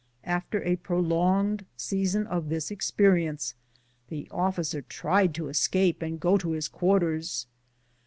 After a prolonged season of this experience, the officer tried to escape and go to his quarters.